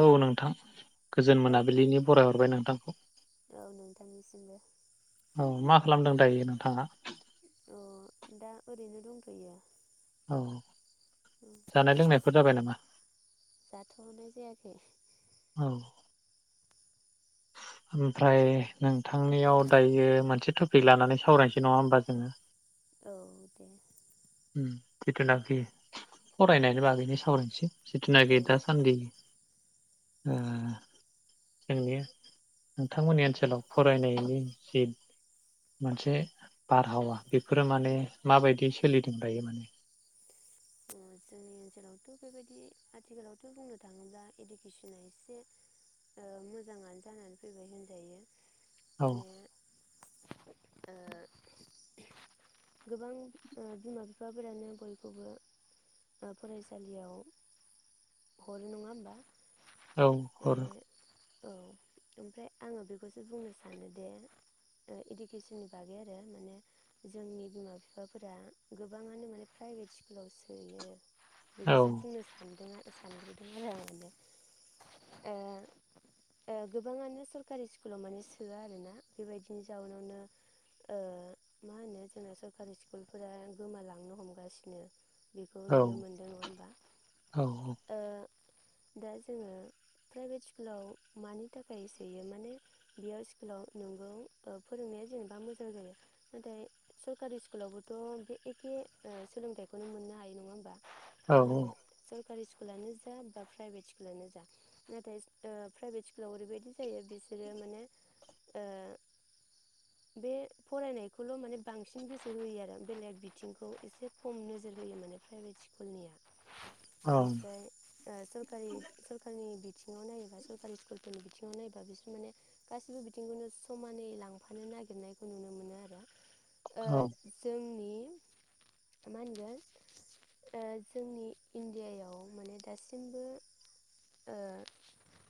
औ नोंथां। गोजोन औ मोनाबिलिनि खोनादों बराय हरबाय नोंथांखौ। औ नोंथांनिसिमबो औ मा खालामदों दायो नोंथाङा? अ दा ओरैनो दंथ'यो। औ। औ जानाय लोंनायफोर जाबाय नामा जाथ'नाय जायाखै औ। ओमफ्राय नोंथांनियाव दायो मोनसे टपिक लानानै सावरायनोसै नङा होमबा जोङो। औ दे। उम जिथुनाखि फरायनायनि बागैनो सावरायनोसै। जिथिना औ खि दासानदि ओ जोंनि नोंथांमोननि ओनसोलाव फरायनायनि जि मोनसे बारहावा बेफोरो माने माबायदि सोलिदोंं दायो माने। जोंनि ओनसोलावथ' बेबायदि आथिखालावथ' बुंनो थाङोब्ला इडुकेसना एसे मोजाङानो जानानै फैबाय होनजायो। माने औ ओ गोबां बिमा बिफाफोरानो बयखौबो ओ फरायसालियाव हरो नङा होमबा। औ माने हरो। औ ओमफ्राय आङो बेखौसो बुंनो सानोदि इडुकेसननि बागै आरो माने जोंनि बिमा बिफाफोरा गोबाङानो माने प्राइभेट स्कुलावसो बेयो औ बेखौसो बुंनो सानदों सानग्रोदों आरो आ गोबाङानो सरखारि स्कुलाव माने सोआ आरोना बेबायदिनि जाउनावनो ओ मा होनो जोंना सरखारि स्कुलफोरा गोमालांनो हमगासिनो। बेखौ औ नुनो मोनदों नङा होमबा औ ओ दा जोङो प्राइभेट स्कुलाव मानि थाखाय सोयो माने बेयाव स्कुलाव नंगौ फोरोंनाया जेनेबा मोजां जायो नाथाय सरकारि स्कुलावबोथ' बे एखे सोलोंथायाइखौनो मोन मा औ होनो जों सरकारि स्कुलानो जा बा प्राइभेट स्कुलानो जा नाथाय आ प्राइभेट स्कुलाव ओरैबायदि जायो बिसोरो माने आ बे फरायनायखौल' माने बांसिन गोसो होयो आरो बेलेग बिथिंखौ एसे खम नोजोर होयो माने प्राइभेट स्कुलनिया। औ ओमफ्राय सोरखारि सरखारनि बि बिथिङाव नायोबा सरकारि स्कुलफोरनि बिथिङाव नायोबा बिसोर माने गासिबो बिथिंखौनो समानै लांफानो नागिरनायखौ नुनो मोनो आरो। ओ औ जोंनि मा होनगोन ओ जोंनि इण्डियायाव माने दासिमबो ओ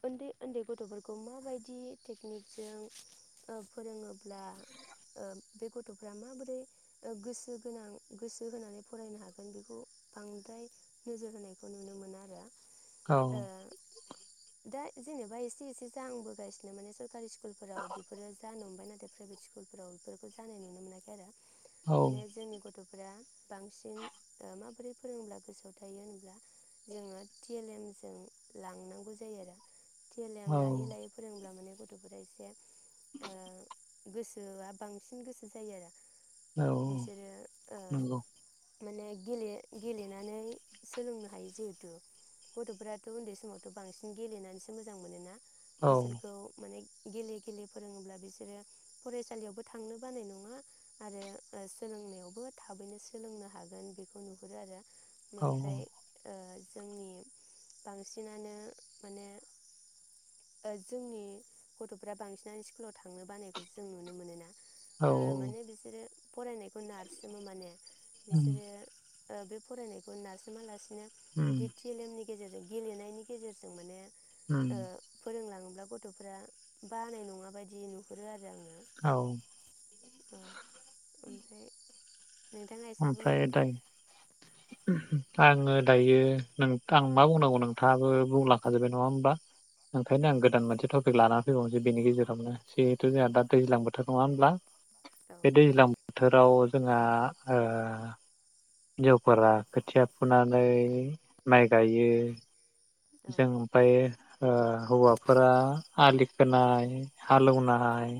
उन्दै उन्दै गथ'फोरखौ माबायदि टेकनिकजों फोरोङोब्ला ओ बे गथ'फ्रा माबोरै गोसो गोनां गोसो होनानै फरायनो हा गोन बेखौ बांद्राय नोजोर होनायखौ नुनो मोनो आरो। औ ओ दा जेनेबा एसे एसे जाहांबोगासिनो माने सरकारि स्कुलफोराव बेफोरो जानो हमबाय नाथाय प्राइभेट स्कुलफोराव बेफोरखौ जानाय नुनो मोनाखै आरो। माने औ जोंनि गथ' फोरा बांसिन माबोरै फोरोंब्ला गोसोआव थायो होनब्ला जोङो टि एल एम जों लांनांगौ जायो आरो। टि एल एम लायै लायै फोरोंब्ला माने गथ'फोरा एसे ओ गोसोआ बांसिन गोसो जायो आरो। औ बिसोरो ओ नंगौ माने गेले-गेलेनानै सोलोंनो हायो जिहेथु गथ'फोराथ' उन्दै समावथ' बांसिन गेलेनानैसो मोजां मोनोना। औ बिसोरखौ माने गेले गेले फोरोङोब्ला बिसोरो फरायसालियावबो थांनो बानाय नङा आरो ओ सोलोंनायावबो थाबैनो सोलोंनो हागोन बेखौ नुहुरो आरो। औ मोमफ्राय ओ जोंनि बांसिनानो माने ओ जोंनि गथ'फ्रा बांसिनानो स्कुलाव थांनो बानायखौ जों नुनो मोनोना। औ ओ माने बिसोरो फरायनायख खौ नारसोमो माने उम बिसोरो ओ बे फरायनायखौ नारसोमालासिन नो उम बेदि टि एल एम नि गेजेरजों गेलेनायनि गेजेरजों माने उम ओ फोरोंलां ब्ला गथ'फ्रा बानाय नङा बायदि नुहुरो आरो। मोजांनो औ ओ ओमफ्राय नोंथाङा एसे बुंदो ओमफ्राय दे। दायो आङो दायो नों आं मा बुंनांगौ, नोंथाङाबो बुंलाखाजोब्बाय नङा होमबा? ओंखायनो औ आं गोदान मोनसे टपिक लानानै फैबावनोसै बेनि गेजेरावनो। जिहेथु जोहा दा दैज्लां बोथ नङा होनब्ला? औ बे दैज्लां बोथोर बाव जोंहा ओ हिनजावफोरा खोथिया फुनानै माइ गायो। औ जों ओमफ्राय ओ हौवाफोरा आलि खोनाय हालौनाय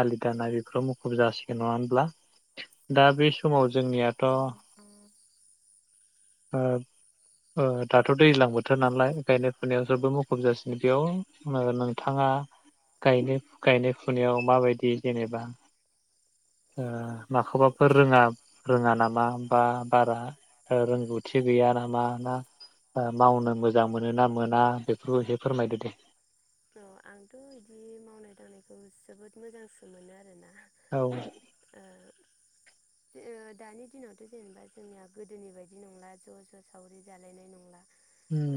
आलि दाननाय बेफोराव मुखुब जासिगोन नङा होनब्ला? औ दा बे समाव जोंनियाथ' ओ ओ दाथ' दैज्लां बोथ थोर नालाय गायनाय फुनायाव जोबो मुखुब जासिगोन बेयाव नागारनांगोन। थाङा गायनाय फुनायाव माबायदि जेनेबा? ओ औ औ माखौबाफोर रोङा रोङा नामा? बा बारा रोंगौथि गैया नामा ना मावनो मोजां मोनो ना मोना बेफोरखौ एसे फोरमायदो दे। अ आंथ' बिदि मावनाय दांनायखौ जोबोद मोजांसो मोनो आरोना औ दे ओ दानि दिनावथ' जेनेबा जोंनिया गोदोनि बायदि नंला ज' ज' सावरि जालायनाय नंला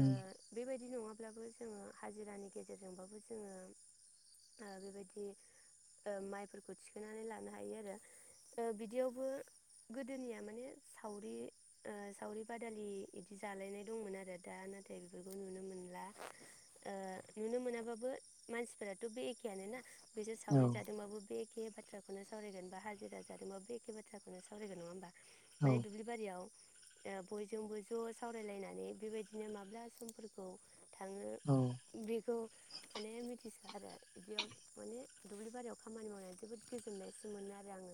ओ बेबाय दि नङाब्लाबो जोङो हाजिरानि गे जेरजोंबाबो जोङो आ बेबायदि माइफोरखौ थिखांनानै लानो हायो आरो बिदियावबो गोदोनिया माने सावरि ओ सावरि बादालि बिदि जालायनाय दंमोन आरो दा नाथाय बेफोरखौ नुनो मोनला। ओ नुनो मोनाबाबो मानसिफोराथ' बे एखेयानो ना बैजों औ सावरि जादोंबाबो बेखेब बाथ्राखौनो सावरायगोन बा हाजिरा जादोंबा बे एखे बाथ्राखौ सावरायगोन। नङा होमबा? औ माने दुब्लि बारियाव ओ बयजोंबो ज' सावरायलायनानै बेबायदिनो माब्ला समफोरखौ औ थाङो बे थ' माने मिथिस'आ आरो बिदियाव माने दुब्लि बारियाव खामानि मावनानै जोबोद गोजोननायसो मोनो आरो आङो।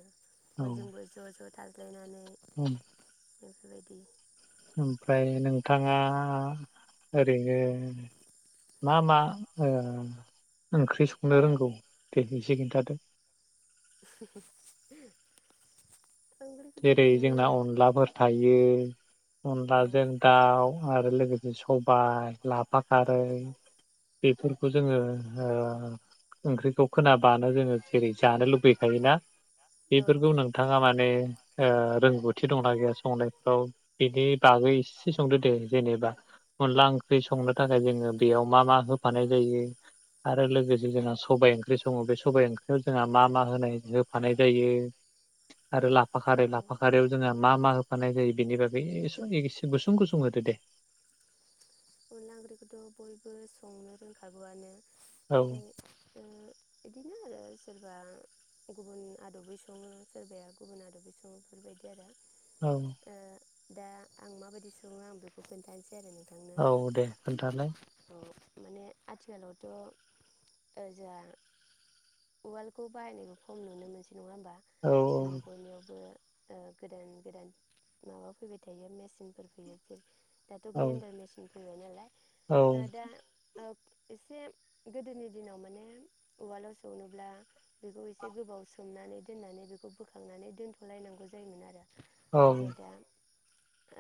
बयजोंबोय ज' ज था ज्यानानै उम बेफोरबायदि ओमफ्राय नोंथाङा ओरैनो मा मा ओ ओंख्रि संनो रोंगौ दे एसे खिन्थादो [inaudible] जेरै ओरैनो जोंना अनलाफोर थायो अनलाजों औ दाउ आरो लोगोसे स बाय लाफा खारै बेफोरखौ जोङो ओ ओंख्रैखौ खोना बानो जोङो जेरै जानो लुबैखायोना औ बेफोरखौ नोंथाङा माने ओ रोंगौथि दंना गैया संनायफ्राव बिनि बागै एसे संदो दे जेनेबा अनला ओंख्रि संनो थाखाय जोङो बेयाव मा मा होफानाय जायो आरो लोगोसे जोंहा सबायाइ ओंख्रि सङो बे सबायाइ ओंख्रियाव जोंहा मा मा होनाय होफानाय जायो आरो लाफ फाखारै लाफाखारैयाव जोंहा मा मा होफानाय जायो बेनि बागै एसे गुसुं गुसुं होदो दे? अनला ओंख्रिखौथ' बयबो संनो रोंखागौआनो औ [inaudible] इदिनो आरो सोरबा गुबुन आद'बै संङो सोरबाया गुबुन आदबै संङो बेफोरबायदि आरो औ ओ दा आं माबायदि संङो आं बेखौ खोनथानोसै आरो ना औ दे खोनथालाय माने आथिखालावथ' जोंहा उवालखौ बाहायनायखौ खम नुनो मोनसै नंङा होमबा औ जोंनि बयनियावबो ओ गोदान गोदान माबा फैबाय थायो मेसिनफोर फैयो दाथ' औ ग्रेनदार मेसिन फैबायनालाय औ ओ एसे गोदोनि दिनाव माने उवालाव सौनोब्ला बेखौ एसे गोबाव सोमनानै दोननानै बेखौ बोखांनानै दोनथ'लायनांगौ जायोमोन आरो। औ नाथाय दा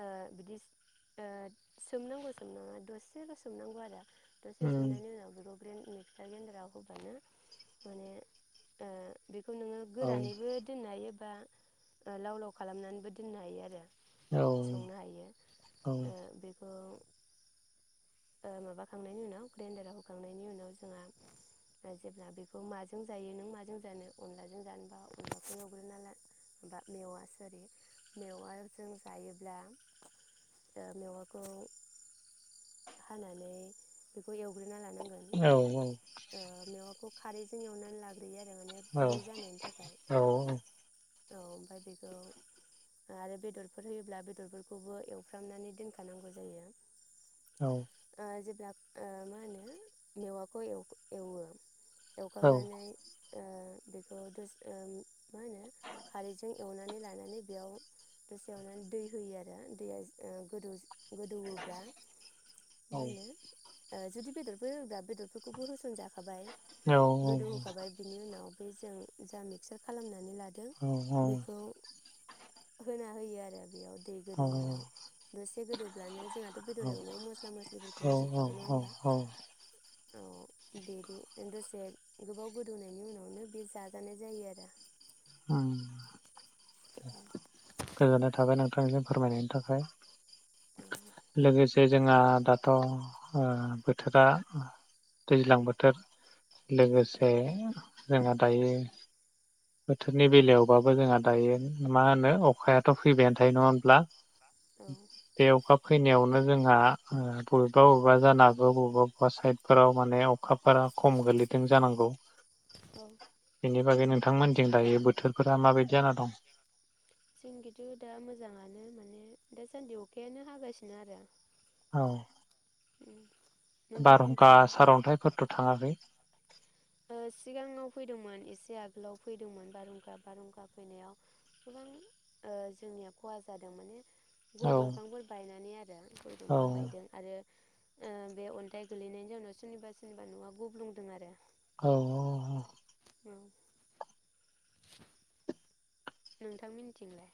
ओ बिदि ओ सोमनांगौ सोमनांङा दसेल' सोमनांगौ आरो। दसे उम सोमनायनि उनाव बेखौ ग्रेन्द मिक्सार ग्रेडाराव होबानो माने ओ बेखौ नोंङो औ गोरानैबो दोननो हायो। बा लाव लाव खालामनानैबो दोननो हायो आरो। औ संनो हायो। औ ओ बेखौ ओ माबाखांनायनि उनाव ग्रेन्दाराव होखांनायनि उनाव जोंहा जेब्ला बेखौ माजों जायो नों माजों जानो अनलाजों जानोबा अनलाखौ एवग्रोना ला मेवा स'रि मेवाजों जायोब्ला ओ मेवाखौ हानानै बेखौ एव औ औ मेवाखौ खारैजों एवनानै लाग्रो औ औ औ औ ओमफाय बेखौ आरो बेदरफोर होयोब्ला बेदरफोरखौबो एवफ्रामनानै दोनखानांगौ जायो। औ ओ जेब्ला ओ मा होनो मेवाखौ एव-एवो। एवखांनानै ओ बेखौ दसे ओ मा होनो खारैजों एवनानै लानानै बेयाव दसे एवनानै दै होयो आरो दैया ओ गोदौ गोदौ अब्ला मा होनो ओ जुदि बेदरबो होब्ला बेदरफोरखौबो होस'न जाखाबाय। गोदौहोखाबाय बिनि उनाव बे जों जा मिक्सार खालामना नै लादों बेखौ होना होयो आरो बेयाव दै गोदौनायाव दसे गोदौब्लानो जोंना औ औ औ होमबा औ औ औ बिदि दसे गोबाव गोदौनायनि उनावनो बे जाजानाय जायो आरो। ओम दे गोजोननाय थाबाय नोंथांनिजों फोरमायनायनि थाखाय। औ लोगोसे जोंहा दाथ' बोथोरा दैज्लां बोथोर लोगोसे जोंहा दायो बोथोरनि बेलायावबाबो जोंहा दायो मा होनो अखायाथ' फैबायानो थायो नङा होमब्ला औ औ [inaudible] फैनायावनो जोंहा बबेबा बबेबा जानागौ बबेबा बबेबा साइदफोराव माने अखाफोरा खम गोलैदों जानांगौ औ बेनि बागै नों नोंथांमोनजों दायो बोथोरफोरा माबायदि जाना दं? जोंनिजों दा मोजाङानो माने दासान्दि अखायानो हागासिनो आरो औ। बारहुंखा नोंथांमोननिथिंलाय सारन्थाइफोरथ' थाङाखै? सिगाङाव फैदोंमोन एसे आगोलाव फैदोंमोन बारहुंखा बारहुंखा फैनायाव गोबां जोंनिया खहा जादों माने औ गय दंफांफोर बायनानै आरो गय औ दंफां बायदों आरो बे अन्थाइ गोलैनायनि जाउनाव सोरनिबा सोरनिबा न'आ गुब्लुंदों आरो औ औ। औ [inaudible] नोंथां मोनिथिंलाय?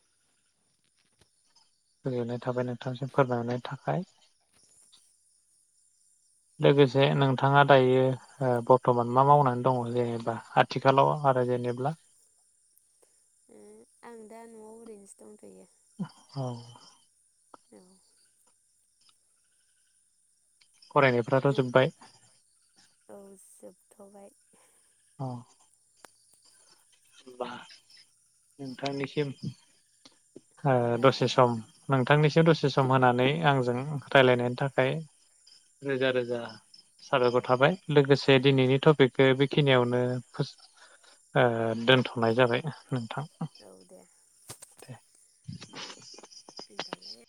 गोजोननाय थाबाय नोंथांनिसिम फोरमायनो थाखाय। लोगोसे नोंथाङा दायो बरथ'मान मा मावनानै दङ जेनेबा आथिखालाव आरो जेनेबा आं दा न'आव ओरैनोसो दंथ'यो औ [inaudible] फरायनायफ्राथ' जोब्बाय। औ [inaudible] [inaudible] होनबा नोंथांनिसिम हा दसे सम नों नोंथांनिसिम दसे सम होनानै आंजों रायलायनायनि थाखाय रोजा रोजा साबायखर थाबाय लोगोसे दिनैनि टपिकखौ बेखिनियावनो दोनथ'नाय जाबाय नोंथां। औ दे दे [inaudible] थलाय